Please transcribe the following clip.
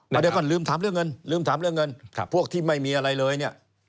เดี๋ยวก่อนลืมถามเรื่องเงินพวกที่ไม่มีอะไรเลยเนี่ย